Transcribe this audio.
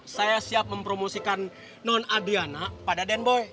saya siap mempromosikan non adriana pada den boy